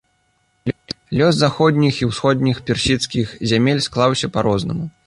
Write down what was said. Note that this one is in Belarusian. Лёс заходніх і ўсходніх персідскіх зямель склаўся па-рознаму.